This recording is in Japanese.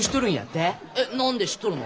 えっ何で知っとるの？